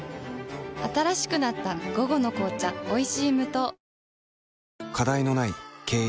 新しくなった「午後の紅茶おいしい無糖」